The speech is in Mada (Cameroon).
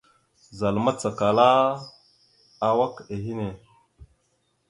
Zal macala awak a henne.